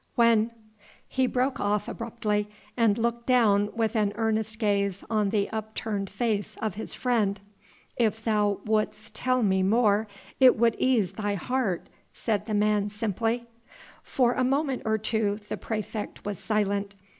When ?" He broke off abruptly and looked down with an earnest gaze on the upturned face of his friend. "If thou wouldst tell me more it would ease thy heart," said the man simply. For a moment or two the praefect was silent.